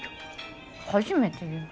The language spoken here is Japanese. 初めてよ。